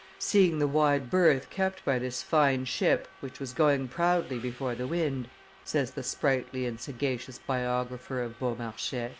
"Seeing the wide berth kept by this fine ship, which was going proudly before the wind," says the sprightly and sagacious biographer of Beaumarchais, M.